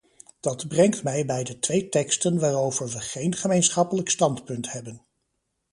Dat brengt mij bij de twee teksten waarover we geen gemeenschappelijk standpunt hebben.